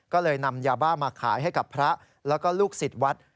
ก็เลยนำยาบ้ามาขายให้กับพระแล้วก็ลูกศิษย์วัด